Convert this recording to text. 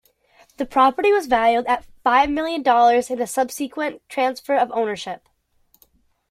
The property was valued at five million dollars in a subsequent transfer of ownership.